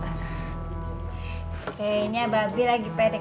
oke ini abadi lagi pdkt sama emangnya